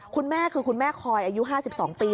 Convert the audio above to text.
คุณแม่คือคุณแม่คอยอายุ๕๒ปี